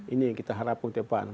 ini yang kita harapkan ke depan